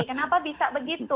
kenapa bisa begitu